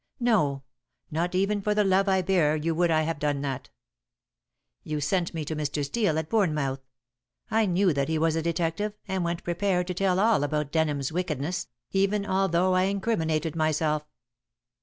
No. Not even for the love I bear you would I have done that. You sent me to Mr. Steel at Bournemouth. I knew that he was a detective, and went prepared to tell all about Denham's wickedness, even although I incriminated myself."